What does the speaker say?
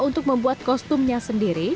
untuk membuat kostumnya sendiri